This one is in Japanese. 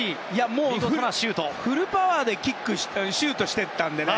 もう、フルパワーでシュートしていったのでね。